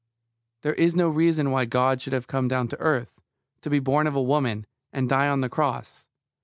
There is no reason why God should have come down to earth, to be born of a woman, and die on the cross.